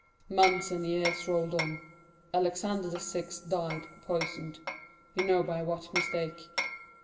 Months and years rolled on. Alexander VI. died, poisoned,—you know by what mistake.